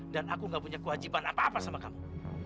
dan aku gak punya kewajiban apa apa sama kamu